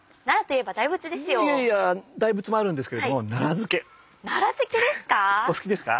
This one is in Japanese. いやいや大仏もあるんですけれども奈良漬けですか？